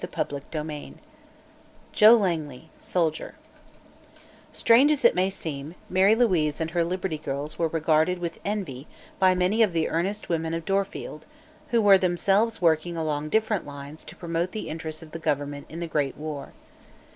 CHAPTER XIII JOE LANGLEY, SOLDIER Strange as it may seem, Mary Louise and her Liberty Girls were regarded with envy by many of the earnest women of Dorfield, who were themselves working along different lines to promote the interests of the government in the Great War.